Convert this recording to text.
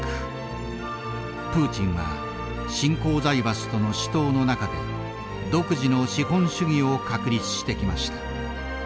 プーチンは新興財閥との死闘の中で独自の資本主義を確立してきました。